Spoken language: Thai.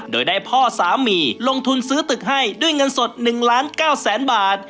โดยได้พ่อสามีลงทุนซื้อตึกให้ด้วยเงินสด๑ล้าน๙แสนบาท